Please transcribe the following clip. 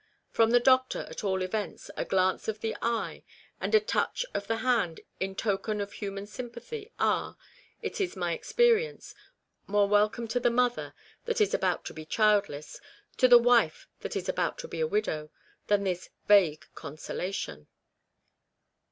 From the doctor, at all events, a glance of the eye, and a touch of the hand in token of human sympathy, are, it is my expe rience, more welcome to the mother that is about to be childless, to the wife that is about to be a widow, than this vague consolation.